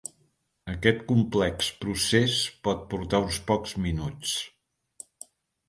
Aquest complex procés pot portar uns pocs minuts.